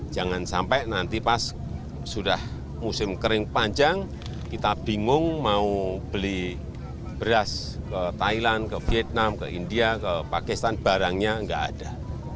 jangan sampai nanti pas sudah musim kering panjang kita bingung mau beli beras ke thailand ke vietnam ke india ke pakistan barangnya nggak ada